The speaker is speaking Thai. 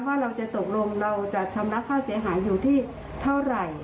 ว่าเราจะตกลงเราจะชำระค่าเสียหายอยู่ที่เท่าไหร่